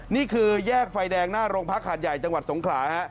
นี่คือแยกไฟแดงหน้าโรงพักหาดใหญ่จังหวัดสงขลาฮะ